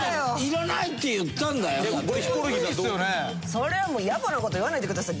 それはもうやぼな事言わないでください。